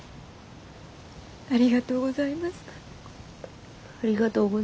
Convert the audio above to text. ありがとうございます。